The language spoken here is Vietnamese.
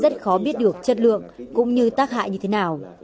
có biết được chất lượng cũng như tác hại như thế nào